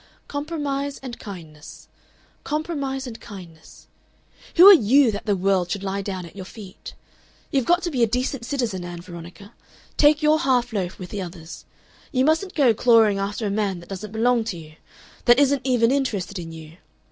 "Compromise and kindness. "Compromise and kindness. "Who are YOU that the world should lie down at your feet? "You've got to be a decent citizen, Ann Veronica. Take your half loaf with the others. You mustn't go clawing after a man that doesn't belong to you that isn't even interested in you.